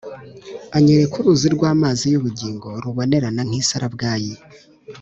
Anyereka uruzi rw’amazi y’ubugingo rubonerana nk’isarabwayi,